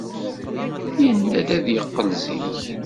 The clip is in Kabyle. Yenna-d ad d-yeqqel zik.